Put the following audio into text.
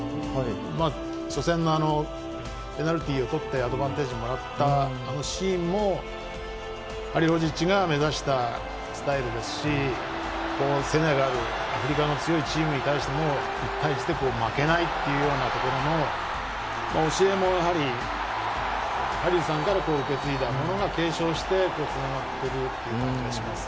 初戦のペナルティーをとってアドバンテージをもらったあのシーンもハリルホジッチが目指したスタイルですしセネガルというアフリカの強いチームに対しても１対１で負けないというようなところの教えもハリルさんから受け継いだものを継承して、つながっているという感じがします。